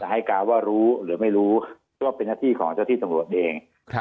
จะให้การว่ารู้หรือไม่รู้ก็เป็นหน้าที่ของเจ้าที่สำหรับตัวเองครับ